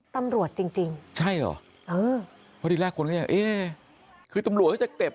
ตำรวจจริงจริงใช่เหรอเออเพราะที่แรกคนก็ยังเอ๊ะคือตำรวจเขาจะเก็บ